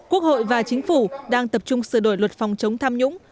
quốc hội và chính phủ đang tập trung sửa đổi luật phòng chống tham nhũng